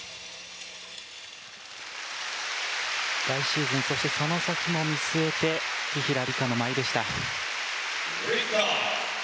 来シーズン、そしてその先も見据えて紀平梨花の舞いでした。